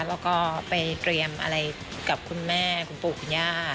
แล้วก็ไปเตรียมอะไรกับคุณแม่คุณปู่คุณย่า